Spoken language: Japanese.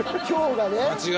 今日がね。